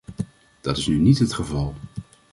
Dat is nu niet het geval.